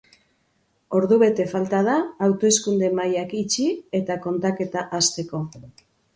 Ordubete falta da hauteskunde-mahaiak itxi eta kontaketa hasteko.